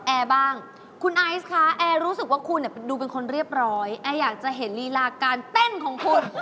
แอร์บ้างคุณไอซ์คะแอร์รู้สึกว่าคุณดูเป็นคนเรียบร้อยแอร์อยากจะเห็นลีลาการเต้นของคุณ